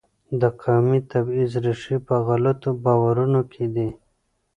د قومي تبعیض ریښې په غلطو باورونو کې دي.